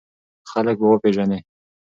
خلک به وپېژنې!